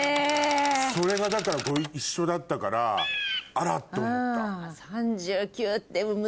それがだから一緒だったからあら！っと思った。